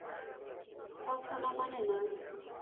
تاسو نه مننه